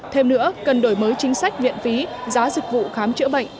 thêm nữa cần đổi mới chính sách viện phí giá dịch vụ khám chữa bệnh